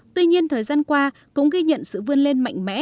tuy nhiên thời gian qua cũng ghi nhận sự vươn lên mạnh mẽ